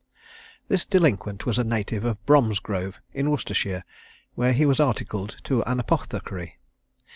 This delinquent was a native of Bromsgrove, in Worcestershire, where he was articled to an apothecary.